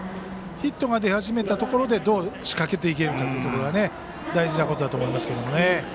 ヒットが出始めたところでどう仕掛けていけるかが大事なことだと思いますけどもね。